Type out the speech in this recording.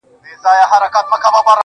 لا به په تا پسي ژړېږمه زه.